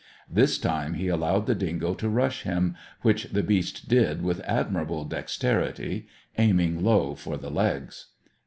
This time he allowed the dingo to rush him, which the beast did with admirable dexterity, aiming low for the legs.